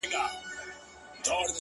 • کله شات کله شکري پيدا کيږي ـ